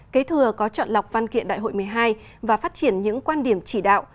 kế thừa có chọn lọc văn kiện đại hội một mươi hai và phát triển những quan điểm chỉ đạo